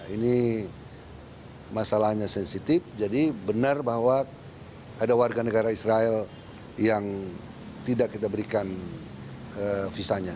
ini masalahnya sensitif jadi benar bahwa ada warga negara israel yang tidak kita berikan visanya